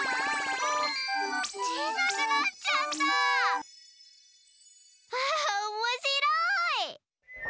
ちいさくなっちゃった！わおもしろい！